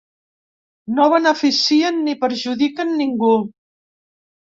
No beneficien ni perjudiquen ningú.